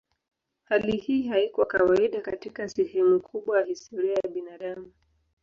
Hali hii haikuwa kawaida katika sehemu kubwa ya historia ya binadamu.